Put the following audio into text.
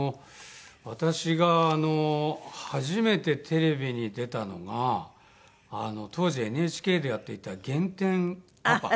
私が初めてテレビに出たのが当時ＮＨＫでやっていた「減点パパ」。